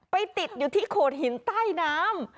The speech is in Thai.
ไปติดอยู่ที่โขดหินใต้น้ำ